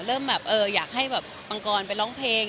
เริ่มแบบอยากให้แบบปังกรไปร้องเพลง